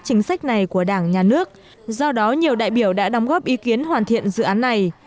chính sách này của đảng nhà nước do đó nhiều đại biểu đã đóng góp ý kiến hoàn thiện dự án này